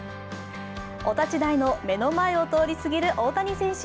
お立ち台の目の前を通りすぎる大谷選手。